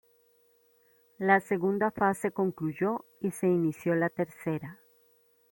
La segunda fase concluyó y se inició la tercera.